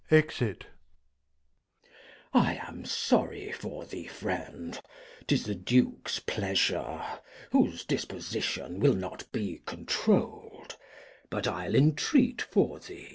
\Exit. Glost. I am sorry for thee. Friend, 'tis the Duke's Pleasure, Whose Disposition will not be controU'd, But I'll entreat for thee.